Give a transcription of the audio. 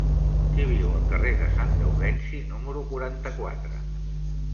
Qui viu al carrer de Sant Gaudenci número quaranta-quatre?